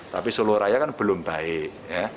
tapi solo raya kan belum baik